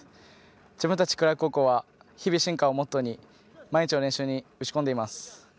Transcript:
自分たちクラーク高校は日々進化をモットーに毎日の練習に打ち込んでいます。